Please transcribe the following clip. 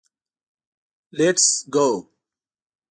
لېټس ګو.